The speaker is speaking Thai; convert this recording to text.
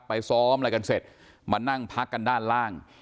ซ้อมอะไรกันเสร็จมานั่งพักกันด้านล่าง